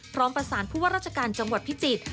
พร้อมประสานผู้ว่าราชการจังหวัดพิจิตร